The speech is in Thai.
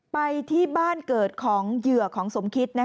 ไปที่บ้านเกิดของเหยื่อของสมคิต